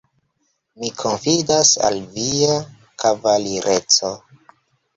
Mi konfidas al via kavalireco.